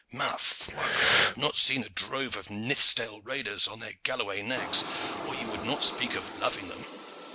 Ma foi! you have not seen a drove of Nithsdale raiders on their Galloway nags, or you would not speak of loving them.